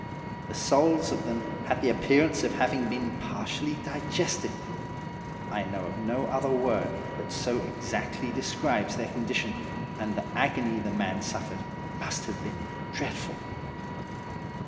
The soles of them had the appearance of having been partly digested. I know of no other word that so exactly describes their condition, and the agony the man suffered must have been dreadful.